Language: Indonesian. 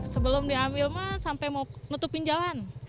sebelum diambil mah sampai mau nutupin jalan